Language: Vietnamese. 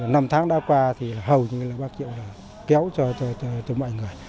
năm tháng đã qua thì hầu như là bác triệu kéo cho mọi người